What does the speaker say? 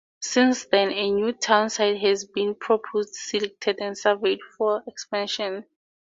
Since then, a new town site has been proposed, selected and surveyed for expansion.